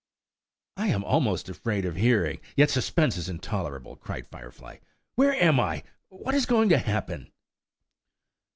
"I am almost afraid of hearing, yet suspense is intolerable," cried Firefly. "Where am I? What is going to happen?"